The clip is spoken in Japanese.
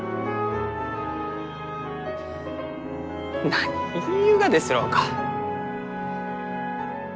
何言いゆうがですろうか。